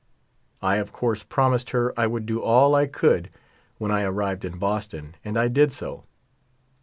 I of coarse promised her I would do all I could when I arrived in Boston, and I did so.